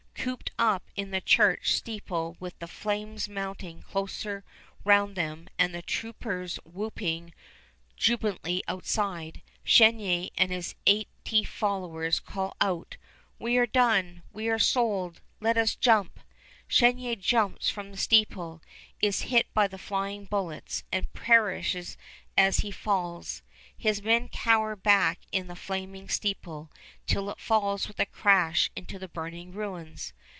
Cooped up in the church steeple with the flames mounting closer round them and the troopers whooping jubilantly outside, Chenier and his eighty followers call out: "We are done! We are sold! Let us jump!" Chenier jumps from the steeple, is hit by the flying bullets, and perishes as he falls. His men cower back in the flaming steeple till it falls with a crash into the burning ruins.